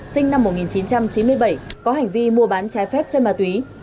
sinh năm một nghìn chín trăm chín mươi bảy có hành vi mua bán trái phép chân ma túy